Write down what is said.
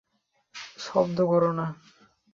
শব্দ কোরো না।